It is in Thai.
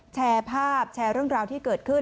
แชร์ภาพแชร์เรื่องราวที่เกิดขึ้น